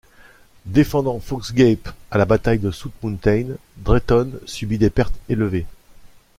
Défendant Fox's Gap à la bataille de South Mountain, Drayton subit des pertes élevées.